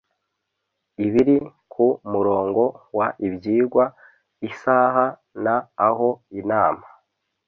Ibiri ku murongo w ibyigwa isaha n aho inama